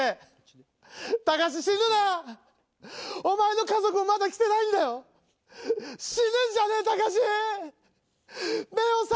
お前の家族もまだ来てないんだよ。